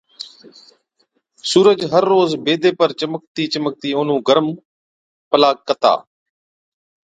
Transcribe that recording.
سُورج هر روز بيدي پر چمڪتِي چمڪتِي اونهُون گرم پلا ڪتا۔